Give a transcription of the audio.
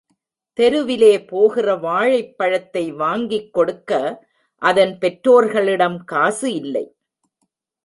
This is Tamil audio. தெருவிலே போகிற வாழைப்பழத்தை வாங்கிக் கொடுக்க அதன் பெற்றோர்களிடம் காசு இல்லை.